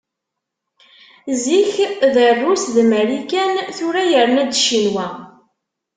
Zik d Rrus d Marikan, tura yerna-d Ccinwa.